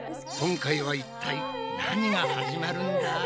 今回はいったい何が始まるんだ？